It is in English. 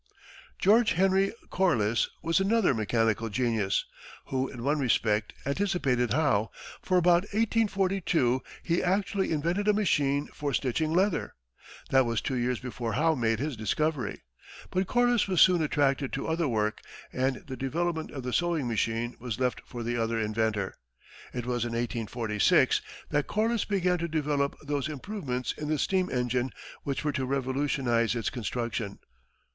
George Henry Corliss was another mechanical genius, who, in one respect, anticipated Howe, for about 1842 he actually invented a machine for stitching leather. That was two years before Howe made his discovery. But Corliss was soon attracted to other work, and the development of the sewing machine was left for the other inventor. It was in 1846 that Corliss began to develop those improvements in the steam engine which were to revolutionize its construction.